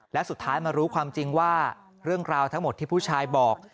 และสุดท้ายมารู้ความจริงว่าเรื่องราวทั้งหมดที่ผู้ชายบอก